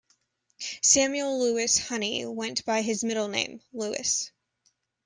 Samuel Lewis Honey went by his middle name, Lewis.